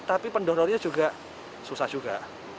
tapi pendonornya juga susah juga